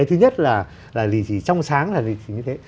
thứ nhất là lì xì trong sáng là lì xì như thế